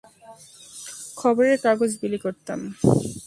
খবরের কাগজ বিলি করতাম।